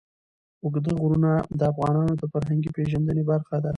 اوږده غرونه د افغانانو د فرهنګي پیژندنې برخه ده.